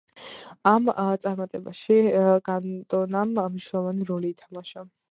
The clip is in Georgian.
ამ წარმატებაში კანტონამ მნიშვნელოვანი როლი ითამაშა.